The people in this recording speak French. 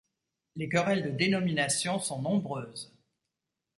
Les querelles de dénomination sont nombreuses.